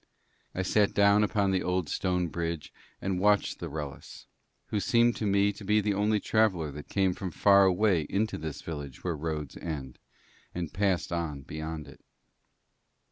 I sat down upon the old stone bridge and watched the Wrellis, who seemed to me to be the only traveller that came from far away into this village where roads end, and passed on beyond it.